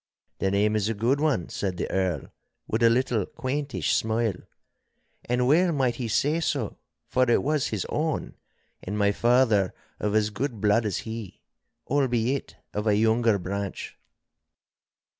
'The name is a good one,' said the Earl, with a little quaintish smile. And well might he say so, for it was his own, and my father of as good blood as he, albeit of a younger branch.